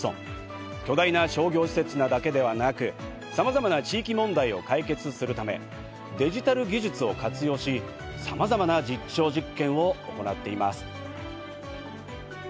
巨大な商業施設なだけではなく、さまざまな地域問題を解決するため、デジタル技術を活用し、さまざまな実証実験を行っています。